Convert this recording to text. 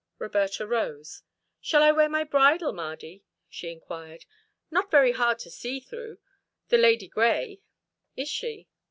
Roberta arose. "Shall I wear my bridle, Mardy?" she inquired. "Not very hard to see through, the Lady Grey, is she?"